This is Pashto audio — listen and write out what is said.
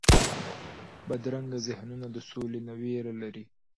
بدرنګه ذهنونونه سولې نه ویره لري